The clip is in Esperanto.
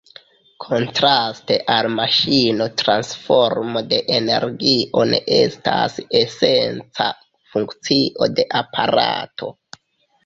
Kontraste al maŝino transformo de energio ne estas esenca funkcio de aparato.